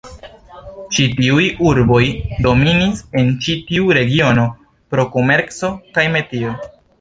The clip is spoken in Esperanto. Ĉi tiuj urboj dominis en ĉi tiu regiono pro komerco kaj metio.